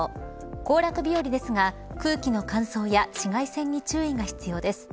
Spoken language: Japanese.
行楽日和ですが、空気の乾燥や紫外線に注意が必要です。